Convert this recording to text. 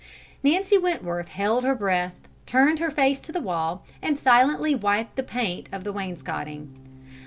Nancy Wentworth held her breath, turned her face to the wall, and silently wiped the paint of the wainscoting.